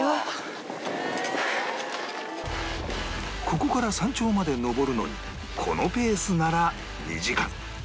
ここから山頂まで登るのにこのペースなら２時間